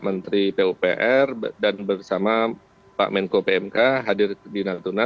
menteri pupr dan bersama pak menko pmk hadir di natuna